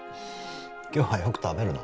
今日はよく食べるな